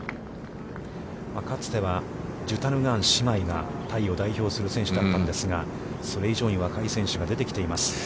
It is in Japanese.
かつては、ジュタヌガーン姉妹が、タイを代表する選手だったんですが、それ以上に若い選手が出てきています。